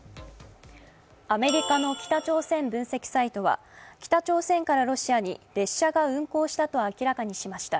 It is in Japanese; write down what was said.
アメリカの北朝鮮分析サイトは、北朝鮮からロシアに列車が運行したと明らかにしました。